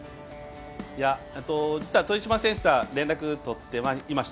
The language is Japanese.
実は豊島選手とは連絡を取っていました。